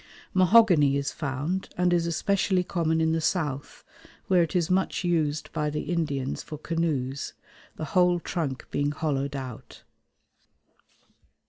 Mahogany is found and is especially common in the south, where it is much used by the Indians for canoes, the whole trunk being hollowed out.